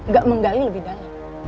gak menggali lebih dalam